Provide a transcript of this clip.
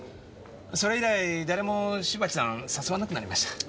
それ以来誰も芝木さん誘わなくなりました。